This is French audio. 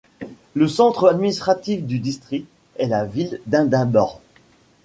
Le centre administratif du district est la ville d'Inderbor.